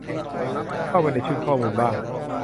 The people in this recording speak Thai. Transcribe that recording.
เข้าไปในชุดข้อมูลบ้าง